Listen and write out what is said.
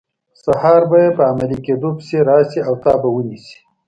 سهار به یې په عملي کیدو پسې راشي او تا به ونیسي.